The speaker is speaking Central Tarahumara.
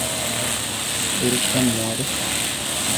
¿Jéruka mu aré?